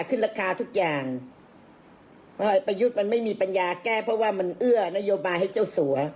ขึ้นราคาทุกอย่างเพราะประยุทธ์มันไม่มีปัญญาแก้เพราะว่ามันเอื้อนโยบายให้เจ้าสัว